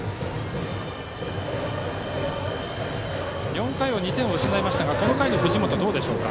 ４回は２点を失いましたがこの回の藤本はどうですか？